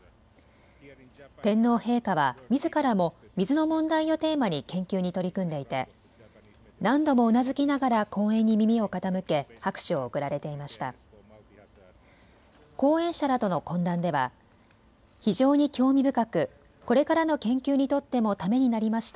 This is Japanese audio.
天皇陛下はみずからも水の問題をテーマに研究に取り組んでいて何度もうなずきながら講演に耳を傾け拍手を送られていました。